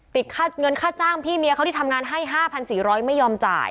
เงินค่าจ้างพี่เมียเขาที่ทำงานให้๕๔๐๐ไม่ยอมจ่าย